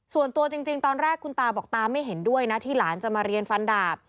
ส่วนตัวจริงตอนแรกคุณตาบอกตาไม่เห็นด้วยนะที่หลานจะมาเรียนฟันดาบ